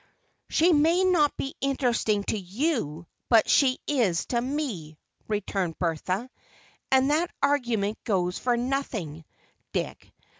"She may not be interesting to you, but she is to me," returned Bertha. "And that argument goes for nothing, Dick.